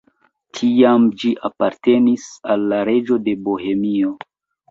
Tiam ĝi apartenis al la reĝo de Bohemio.